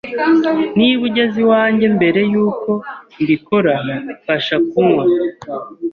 Niba ugeze iwanjye mbere yuko mbikora, fasha kunywa.